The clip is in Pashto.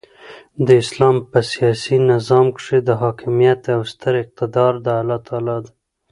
د اسلام په سیاسي نظام کښي حاکمیت او ستر اقتدار د االله تعالى دي.